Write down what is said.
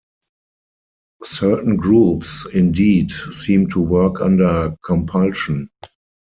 Certain groups indeed seem to work under compulsion.